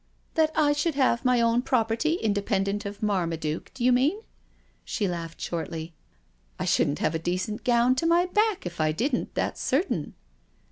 " That I should have my own property indepen dent of Marmaduke, you mean?" she laughed shortly. " I shouldn't have a decent gown to my back, if I didn't, that's certain."